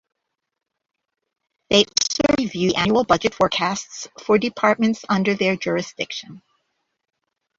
They also review the annual budget forecasts for departments under their jurisdiction.